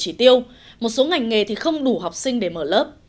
chỉ tiêu một số ngành nghề thì không đủ học sinh để mở lớp